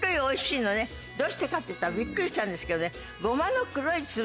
どうしてかっていったらびっくりしたんですけどね。